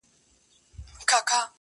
o جل وهلی سوځېدلی د مودو مودو راهیسي ,